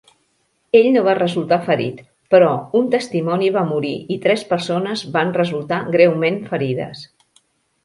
Ell no va resultar ferit, però un testimoni va morir i tres persones van resultar greument ferides.